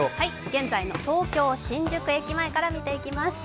現在の東京・新宿駅前から見ていきます。